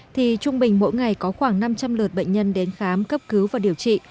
thì trung bình mỗi ngày có khoảng năm trăm linh lượt bệnh nhân đến khám cấp cứu và điều trị